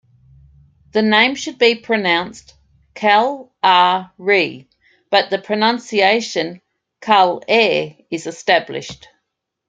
The name should be pronounced Kal-"ah"-ree, but the pronunciation Kul-"air" is established.